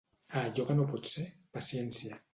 A allò que no pot ser, paciència.